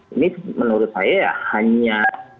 ini menurut saya hanya